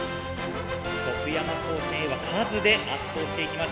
徳山高専Ａは数で圧倒していきます。